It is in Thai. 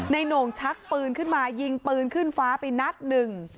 โหน่งชักปืนขึ้นมายิงปืนขึ้นฟ้าไปนัดหนึ่ง